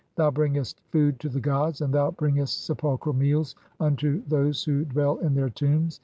Thou bringest food to "the gods, and thou bringest sepulchral meals unto those who "dwell in their tombs.